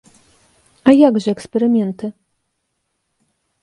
А як жа эксперыменты?